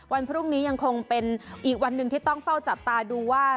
วันพรุ่งนี้ยังคงเป็นอีกวันหนึ่งที่ต้องเฝ้าจับตาดูว่า